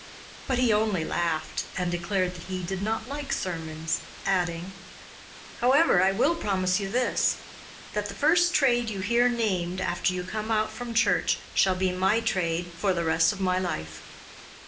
But he only laughed and declared that he did not like sermons, adding: 'However, I will promise you this, that the first trade you hear named after you come out from church shall be my trade for the rest of my life.